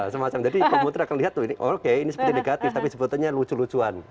semacam itu jadi pemutra akan lihat tuh ini oke ini seperti negatif tapi sebutannya lucu lucuan